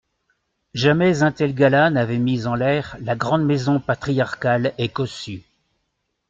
Jamais un tel gala n'avait mis en l'air la grande maison patriarcale et cossue.